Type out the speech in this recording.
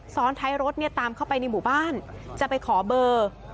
ซ้อนท้ายรถตามเข้าไปในหมู่บ้านจะไปขอเบอร์